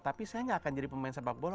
tapi saya nggak akan jadi pemain sepak bola